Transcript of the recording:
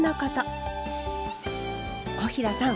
小平さん